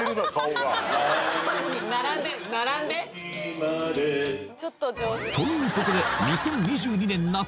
並んで並んでということで２０２２年夏